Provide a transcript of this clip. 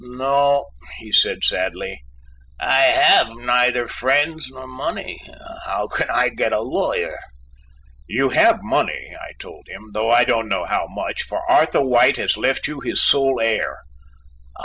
"No," he said sadly, "I have neither friends nor money. How can I get a lawyer?" "You have money," I told him, "though I don't know how much; for Arthur White has left you his sole heir."